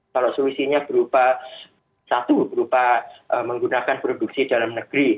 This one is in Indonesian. kalau solusinya berupa satu berupa menggunakan produksi dalam negeri